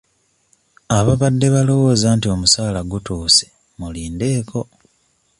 Ababadde balowooza nti omusaala gutuuse mulindeeko.